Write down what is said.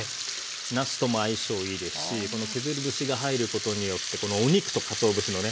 なすとも相性いいですしこの削り節が入ることによってこのお肉とかつお節のね